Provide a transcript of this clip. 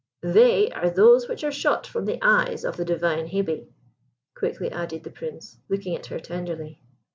"They are those which are shot from the eyes of the divine Hebe," quickly added the Prince, looking at her tenderly.